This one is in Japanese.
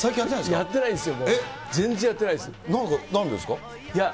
やってないんですよ。